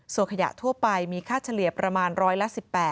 ส่วนขยะทั่วไปมีค่าเฉลี่ยประมาณร้อยละ๑๘